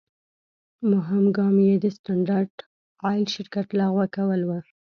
مهم ګام یې د سټنډرد آیل شرکت لغوه کول و.